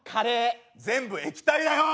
全部液体だよ！